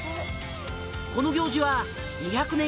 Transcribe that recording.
「この行事は２００年